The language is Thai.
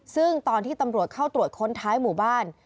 ซึ่งตอนที่ตำรวจเข้าตรวจค้นท้ายหมู่บ้าน